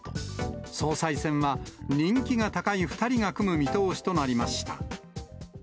総裁選は人気が高い２人が組む見通しとなりました。